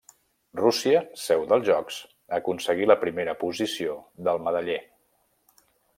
Rússia, seu dels Jocs, aconseguí la primera posició del medaller.